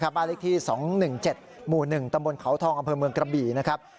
บ้านเลขที่๒๑๗หมู่๑ตำบลเขาทองอำเภอเมืองกระบี่นะครับ